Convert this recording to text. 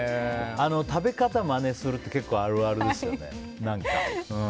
食べ方をまねするって結構、あるあるですよね。